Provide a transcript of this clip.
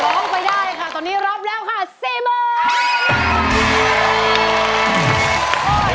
ร้องไปได้ค่ะตอนนี้รับแล้วค่ะ๔๐๐๐บาท